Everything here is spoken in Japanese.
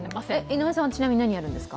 井上さんはちなみに何やるんですか？